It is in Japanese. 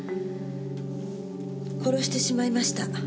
殺してしまいました。